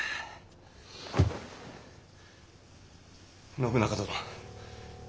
信長殿。